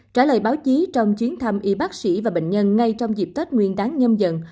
trả lời báo chí trong chuyến thăm y bác sĩ và bệnh nhân ngay trong dịp tết nguyên đáng nhâm dần